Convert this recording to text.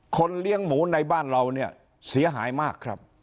เลี้ยงหมูในบ้านเราเนี่ยเสียหายมากครับ